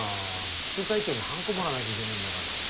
副会長にはんこもらわなきゃいけないんだから。